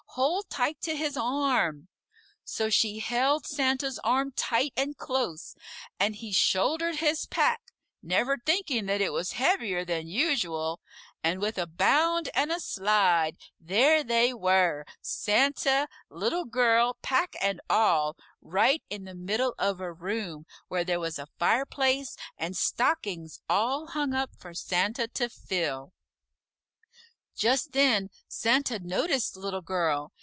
Hold tight to his arm!" So she held Santa's arm tight and close, and he shouldered his pack, never thinking that it was heavier than usual, and with a bound and a slide, there they were, Santa, Little Girl, pack and all, right in the middle of a room where there was a fireplace and stockings all hung up for Santa to fill. Just then Santa noticed Little Girl.